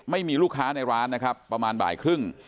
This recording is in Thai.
ไม่มีลูกค้าในร้านนะครับประมาณบ่ายครึ่ง